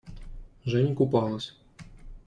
Женя купалась.